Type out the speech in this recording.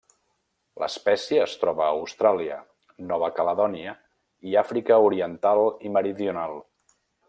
L'espècie es troba a Austràlia, Nova Caledònia, i Àfrica oriental i meridional.